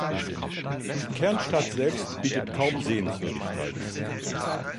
Die Kernstadt selbst bietet kaum Sehenswürdigkeiten.